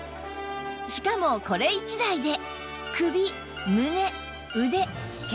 しかもこれ１台で